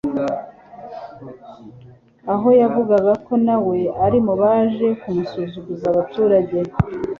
aho yavugaga ko nawe ari mu baje kumusuzuguza abaturage.